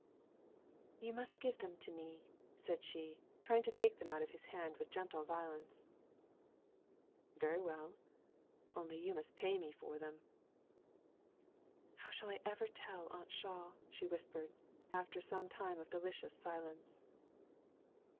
"You must give them to me," she said, trying to take them out of his hand with gentle violence. "Very well. Only you must pay me for them!" "How shall I ever tell Aunt Shaw?" she whispered, after some time of delicious silence.